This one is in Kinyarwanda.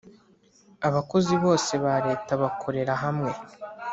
Abakozi bose bareta bakorera hamwe.